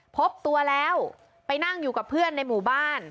พบตัวแล้วไปนั่งอยู่กับเพื่อนในหมู่บ้าน